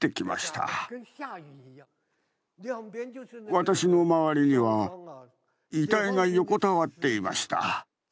私の周りには、遺体が横たわっていました。